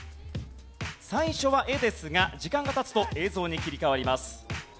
最初は絵ですが時間が経つと映像に切り替わります。